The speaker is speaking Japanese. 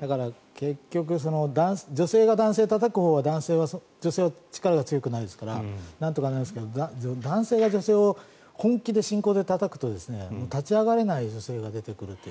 だから、結局女性が男性をたたくほうは女性が力が強くないですからなんとかなるんですが男性が女性を本気で信仰でたたくと立ち上がれない女性が出てくると。